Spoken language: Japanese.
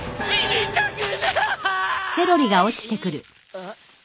あっ？